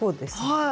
はい。